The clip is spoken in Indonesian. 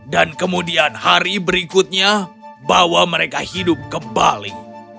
dan kemudian hari berikutnya bawa mereka hidup kembali